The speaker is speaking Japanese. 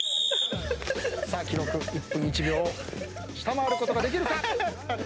さあ記録１分１秒を下回ることができるか？